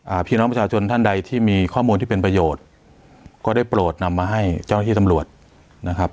พี่น้องประชาชนท่านใดที่มีข้อมูลที่เป็นประโยชน์ก็ได้โปรดนำมาให้เจ้าหน้าที่ตำรวจนะครับ